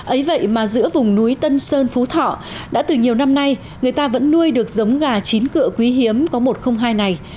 ấy vậy mà giữa vùng núi tân sơn phú thọ đã từ nhiều năm nay người ta vẫn nuôi được giống gà chín cựa quý hiếm có một trăm linh hai này